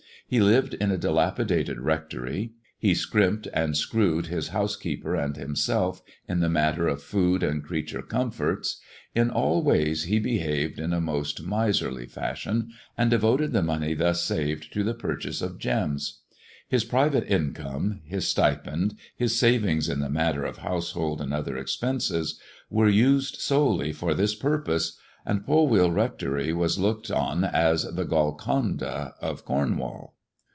He lived in a dilapidated rectory he scrimped and screwed his housekeeper and himself h the matter of food and creature comforts ; in all ways b THE DEAD MAN'S DIAMONDS 197 behaved in a most miserly fashion, and devoted the money thus saved to the purchase of gems. His private incomie, his stipend, his savings in the matter of household and other expenses, were used solely for this purpose, and Polwheal Rectory was looked on as the Golconda of Cornwall.